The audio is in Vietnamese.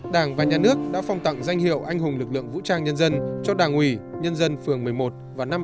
đảng và nhà nước đã phong tặng danh hiệu anh hùng lực lượng vũ trang nhân dân cho đảng ủy nhân dân phường một mươi một và năm hai nghìn một mươi